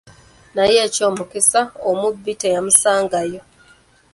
Naye eky'omukisa omubi, teyamusangawo.